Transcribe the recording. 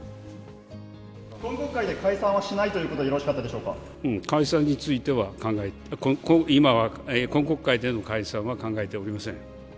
今国会で解散をしないという解散については、今は、今国会での解散は考えておりません。